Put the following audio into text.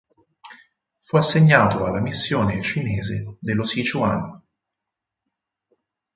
Fu assegnato alla missione cinese dello Sichuan.